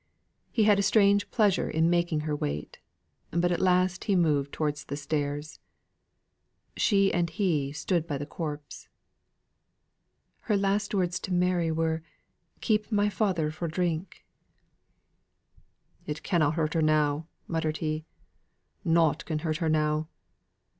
He had a strange pleasure in making her wait; but at last he moved towards the stairs. She and he stood by the corpse. "Her last words to Mary were, 'Keep my father fro' drink.'" "It canna hurt her now," muttered he. "Nought can hurt her now."